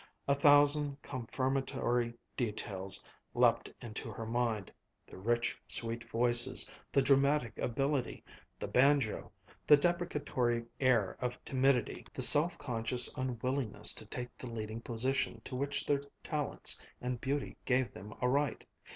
A thousand confirmatory details leaped into her mind: the rich, sweet voices the dramatic ability the banjo the deprecatory air of timidity the self conscious unwillingness to take the leading position to which their talents and beauty gave them a right.